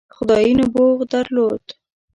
خدايي نبوغ درلود.